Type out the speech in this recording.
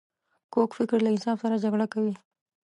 کوږ فکر له انصاف سره جګړه کوي